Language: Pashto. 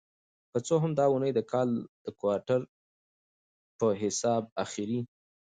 که څه هم دا اونۍ د کال د کوارټر په حساب اخېری